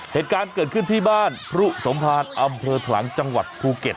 เหตุการณ์เกิดขึ้นที่บ้านพรุสมภารอำเภอขลังจังหวัดภูเก็ต